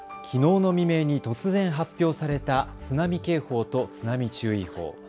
きのうの未明に突然、発表された津波警報と津波注意報。